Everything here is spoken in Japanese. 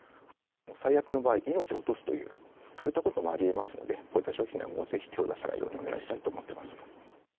最悪の場合、命を落とすという、そういったこともありえますので、こういった商品にはぜひ、手を出さないようにお願いしたいと思ってます。